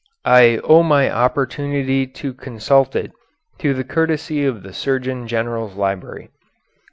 (I owe my opportunity to consult it to the courtesy of the Surgeon General's library.)